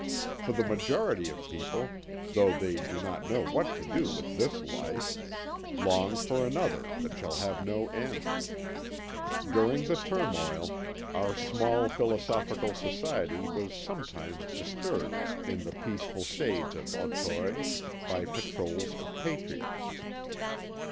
For the majority of people, though they do not know what to do with this life, long for another that shall have no end. During the turmoil, our small philosophical society was sometimes disturbed in the peaceful shades of Auteuil by patrols of patriots.